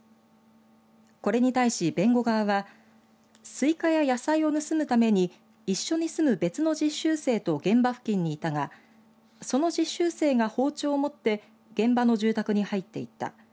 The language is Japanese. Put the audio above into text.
これに対し弁護側はスイカや野菜を盗むために一緒に住む別の実習生と現場付近にいたがその実習生が包丁を持って現場の住宅に入っていった。